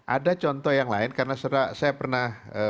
ada contoh yang lain karena saya pernah